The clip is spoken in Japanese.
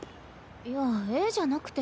いや「えっ？」じゃなくて。